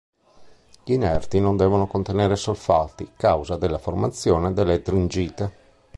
Gli inerti non devono contenere solfati causa della formazione dell'ettringite.